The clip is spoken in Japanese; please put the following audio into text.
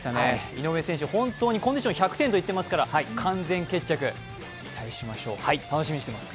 井上選手、コンディション１００点と言っていますから完全決着期待しましょう楽しみにしています。